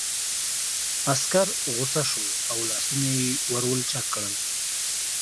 عسکر غوسه شو او لاسونه یې ور ولچک کړل